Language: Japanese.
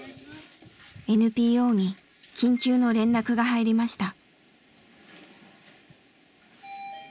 ＮＰＯに緊急の連絡が入りました。